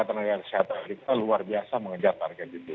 dan tenaga kesehatan kita luar biasa mengejar target itu